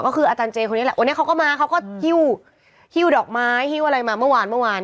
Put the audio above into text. เขาก็มาเขาก็ฮิวฮิวดอกไม้ฮิวอะไรมาเมื่อวานเมื่อวาน